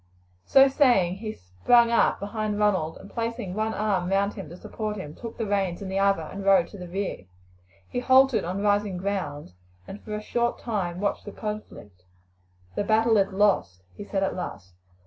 So saying he sprang up behind Ronald, and placing one arm round him to support him, took the reins in the other and rode to the rear. He halted on rising ground, and for a short time watched the conflict. "The battle is lost," he said at last.